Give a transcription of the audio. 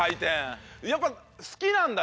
やっぱすきなんだね。